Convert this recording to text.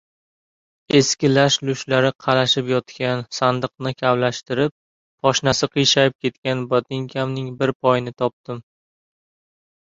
Eski lash-lushlar qalashib yotgan sandiqni kavlashtirib, poshnasi qiyshayib ketgan botinkamning bir poyini topdim.